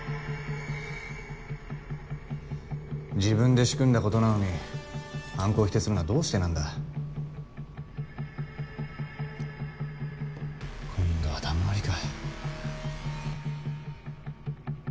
自分で仕組んだことなのに犯行を否定するのはどうしてなんだ？今度はだんまりか。